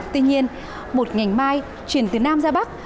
tuy nhiên một ngày mai chuyển từ nam ra bắc